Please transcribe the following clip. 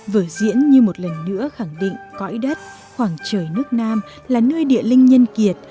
vở diễn như một lần nữa khẳng định cõi đất khoảng trời nước nam là nơi địa linh nhân kiệt